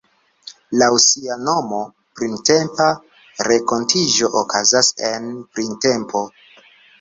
Laŭ sia nomo, Printempa Renkontiĝo okazas en... printempo.